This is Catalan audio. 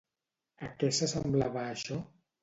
A què s'assemblava això?